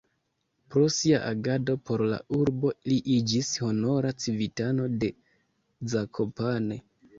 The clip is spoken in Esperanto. Pro sia agado por la urbo li iĝis honora civitano de Zakopane.